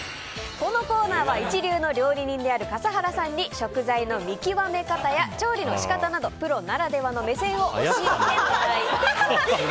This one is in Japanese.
このコーナーは一流の料理人である笠原さんに食材の見極め方や調理の仕方などプロならではの目線を教えてもらいます。